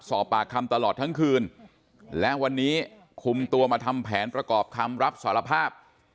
สอบปากคำตลอดทั้งคืนและวันนี้คุมตัวมาทำแผนประกอบคำรับสารภาพ